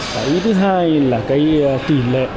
cái thứ hai là cái tỷ lệ